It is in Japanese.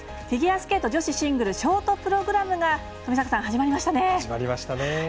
フィギュアスケート女子シングルショートプログラムが始まりましたね。